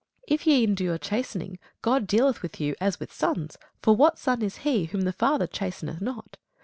If ye endure chastening, God dealeth with you as with sons; for what son is he whom the father chasteneth not?